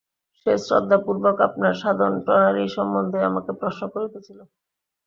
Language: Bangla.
সে শ্রদ্ধাপূর্বক আপনার সাধনপ্রণালী সম্বন্ধে আমাকে প্রশ্ন করিতেছিল।